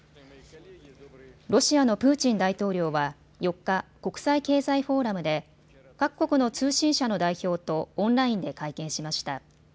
ロシアのプーチン大統領は４日、国際経済フォーラムで各国の通信社の代表とオンラインで会見しました。